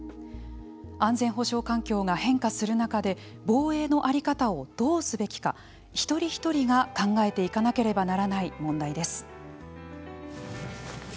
安全保障環境が変化する中で防衛の在り方をどうすべきか一人一人が考えていかなければならない問題です。